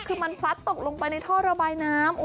คือมันพลัดตกลงไปในท่อระบายน้ำ